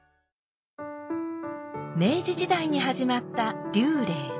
明治時代に始まった「立礼」。